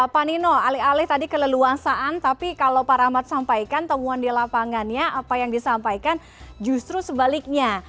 pak nino alih alih tadi keleluasaan tapi kalau pak rahmat sampaikan temuan di lapangannya apa yang disampaikan justru sebaliknya